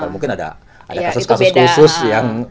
mungkin ada kasus kasus khusus yang